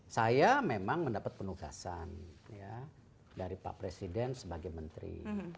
saya memang mendapat penugasan dari pak presiden sebagai menteri